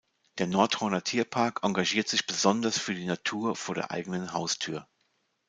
Der Nordhorner Tierpark engagiert sich besonders für die Natur vor der eigenen Haustür.